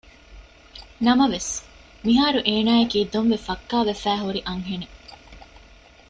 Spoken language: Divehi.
ނަމަވެސް މިހާރު އޭނާއަކީ ދޮންވެ ފައްކާވެފައި ހުރި އަންހެނެއް